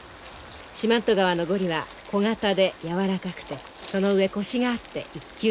四万十川のゴリは小型でやわらかくてその上コシがあって一級品。